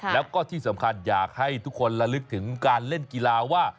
แล้วก็ที่สำคัญอยากให้ทุกคนละลึกถึงการเล่นกีฬาว่า